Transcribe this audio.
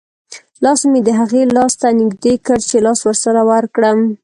لاس مې د هغې لاس ته نږدې کړ چې لاس ورسره ورکړم.